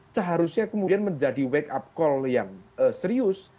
seharusnya kemudian menjadi wake up call yang serius